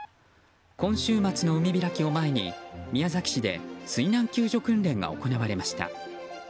今週末の海開きを前に宮崎市で水難救助訓練が行われました。